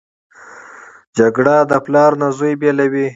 جګړه د پلار نه زوی بېلوي